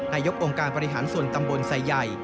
นายกองค์การบริหารส่วนตำบลไซใหญ่